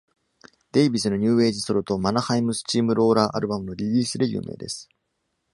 デイビスのニューエイジソロとマナハイムスチームローラーアルバムのリリースで有名です。